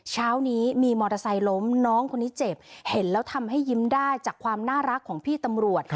เช้านี้มีมอเตอร์ไซค์ล้มน้องคนนี้เจ็บเห็นแล้วทำให้ยิ้มได้จากความน่ารักของพี่ตำรวจ